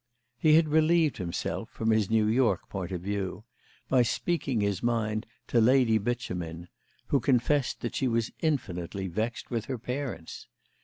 He had relieved himself, from his New York point of view, by speaking his mind to Lady Beauchemin, who confessed that she was infinitely vexed with her parents.